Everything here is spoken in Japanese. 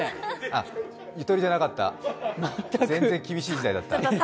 あ、ゆとりじゃなかった、全然厳しい時代だった。